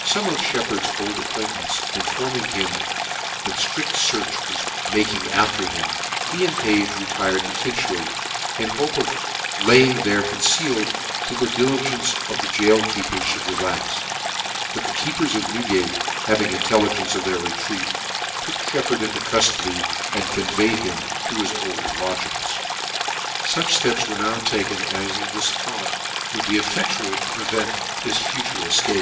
Some of Sheppard's old acquaintance informing him that ftrici ftarch was making after him, he and Page 'retired to Finchley, in hope of lay ing there concealed till the diligence of the goal keepers mould relax: but the keepers of New gate having intelligence of their retreat, took Sheppard into cuitcdy, and conveyed him to his old lodgings. Such fleps were now taken as it was thought >ould be diedual to prevent his future efcape.